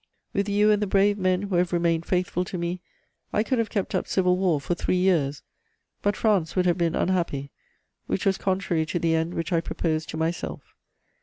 "With you and the brave men who have remained faithful to me, I could have kept up civil war for three years; but France would have been unhappy, which was contrary to the end which I proposed to myself.